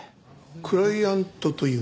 クライアントというと？